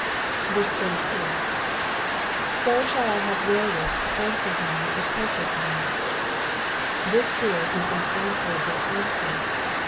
42. ^*So shall 1 have wherewith to answer him t?uit reproacheth me,^^ This is an unanswerable answer.